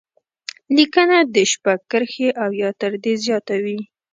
لیکنه دې شپږ کرښې او یا تر دې زیاته وي.